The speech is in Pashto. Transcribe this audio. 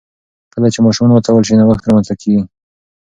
کله چې ماشومان وهڅول شي، نوښت رامنځته کېږي.